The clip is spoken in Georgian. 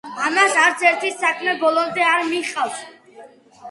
მას არც ერთი საქმე ბოლომდე არ მიჰყავს.